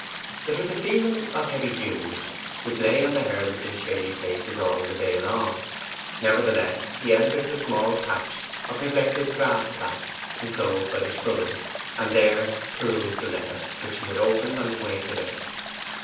It was the season of heavy dews, which lay on the herbage in shady places all the day long; nevertheless, he entered a small patch of neglected grass plat enclosed by the shrubbery, and there perused the letter, which he had opened on his way thither.